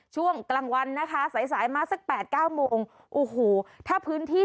ช่วงกลางวันนะคะสายสายมาสักแปดเก้าโมงโอ้โหถ้าพื้นที่